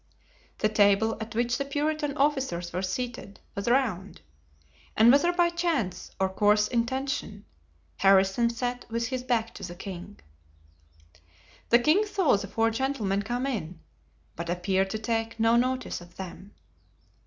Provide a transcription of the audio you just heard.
The table at which the Puritan officers were seated was round, and whether by chance or coarse intention, Harrison sat with his back to the king. The king saw the four gentlemen come in, but appeared to take no notice of them.